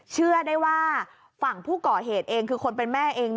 เชื่อได้ว่าฝั่งผู้ก่อเหตุเองคือคนเป็นแม่เอง